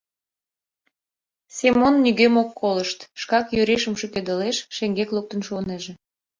Семон нигӧм ок колышт, шкак Юришым шӱкедылеш, шеҥгек луктын шуынеже.